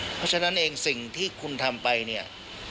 เพราะฉะนั้นเองสิ่งที่คุณทำไปเนี่ย